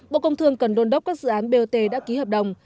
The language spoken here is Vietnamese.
bộ công thương cần đôn đốc các dự án bot đã ký hợp đồng